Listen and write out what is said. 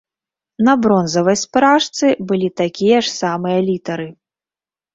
На бронзавай спражцы былі такія ж самыя літары.